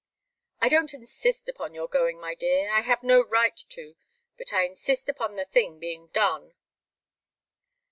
"I don't insist upon your going, my dear I have no right to. But I insist upon the thing being done."